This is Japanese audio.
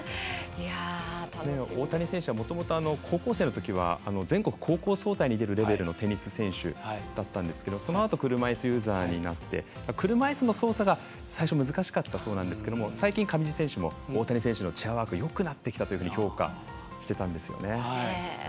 大谷選手はもともと高校生のときは全国高校総体に出るレベルのテニス選手だったんですけどそのあと車いすユーザーになって車いすの操作が最初難しかったそうなんですけど最近上地選手も大谷選手のチェアワークよくなってきたと評価していたんですよね。